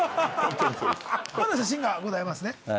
まだ写真がございますね。